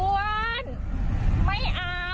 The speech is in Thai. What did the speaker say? อ้วนไม่อาย